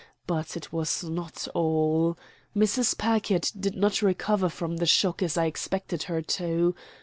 But it was not all. Mrs. Packard did not recover from the shock as I expected her to.